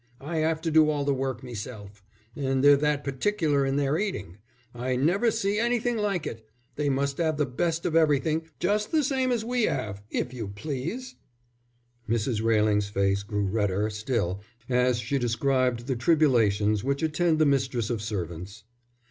I 'ave to do all the work meself. And they're that particular in their eating, I never see anything like it. They must 'ave the best of everything, just the same as we 'ave, if you please." Mrs. Railing's red face grew redder still as she described the tribulations which attend the mistress of servants.